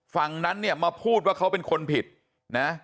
ฝั่งนั้นเนี่ยมาพูดว่าเขาเป็นคนผิดนะ